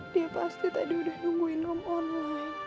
dia pasti tadi udah nungguin om online